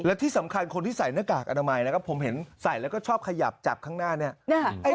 และที่สำคัญคนที่ใส่หน้ากากอนามัยนะครับผมเห็นใส่แล้วก็ชอบขยับจับข้างหน้าเนี่ย